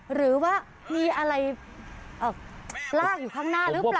หรือว่ามีอะไรลากอยู่ข้างหน้าหรือเปล่า